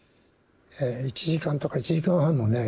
１時間とか１時間半もね